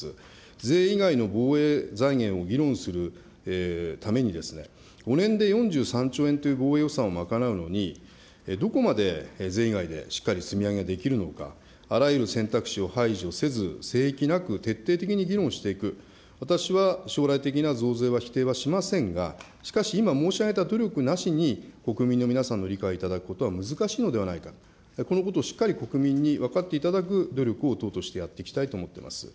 税以外の防衛財源を議論するために、５年で４３兆円という防衛予算を賄うのに、どこまで税以外でしっかり積み上げできるのか、あらゆる選択肢を排除せず、聖域なく徹底的に議論していく、私は将来的な増税は否定はしませんが、しかし今、申し上げた努力なしに国民の皆さんの理解をいただくことは難しいのではないか、このことをしっかり国民に分かっていただく努力を党としてやっていきたいと思っております。